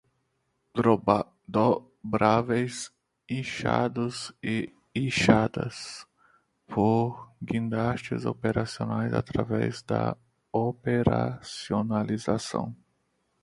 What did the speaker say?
Dobráveis, içados e içadas por guindastes operacionais através da operacionalização